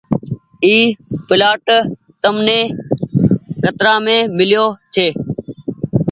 اي پلآٽ تمني ڪترآ مين ميليو ڇي۔